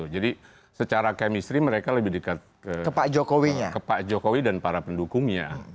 jadi secara kemistri mereka lebih dekat ke pak jokowi dan para pendukungnya